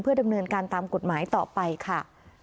ดำเนินการตามกฎหมายต่อไปค่ะ